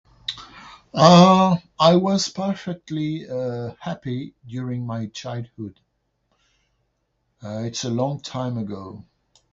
I was perfectly happy during my childhood. It's a long time ago.